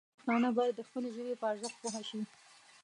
پښتانه باید د خپلې ژبې په ارزښت پوه شي.